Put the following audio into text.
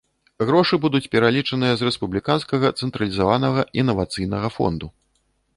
Грошы будуць пералічаныя з рэспубліканскага цэнтралізаванага інавацыйнага фонду.